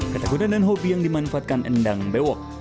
ketegunan dan hobi yang dimanfaatkan endang bewok